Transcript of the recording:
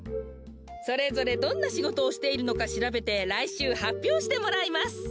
それぞれどんなしごとをしているのかしらべてらいしゅうはっぴょうしてもらいます。